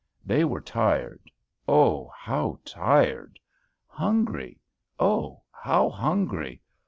They were tired, oh, how tired! hungry, oh, how hungry!